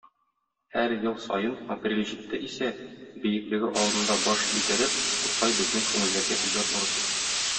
Һәр ел саен, апрель җитте исә, бөеклеге алдында баш идереп, Тукай безнең күңелләргә иҗат нуры сирпи.